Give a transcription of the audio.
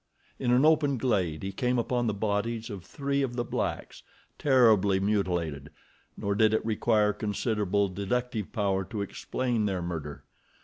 In an open glade he came upon the bodies of three of the blacks, terribly mutilated, nor did it require considerable deductive power to explain their murder.